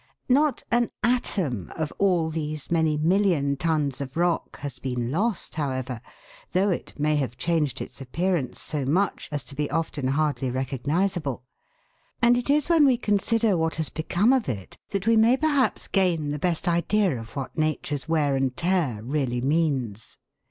Not an atom of all these many million tons of rock has been lost, however, though it may have changed its appear ance so much as to be often hardly recognisable, and it is when we consider what has become of it that we perhaps 106 THE WORLD'S LUMBER ROOM. gain the best idea of what Nature's wear and tear really means.